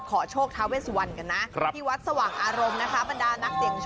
ไปเลย